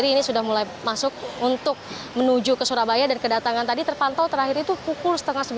ini sudah mulai masuk untuk menuju ke surabaya dan kedatangan tadi terpantau terakhir itu pukul setengah sebelas